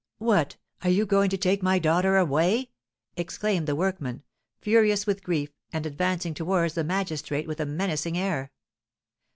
"What! are you going to take my daughter away?" exclaimed the workman, furious with grief, and advancing towards the magistrate with a menacing air.